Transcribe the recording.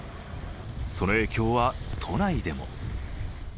その影響は都内でも。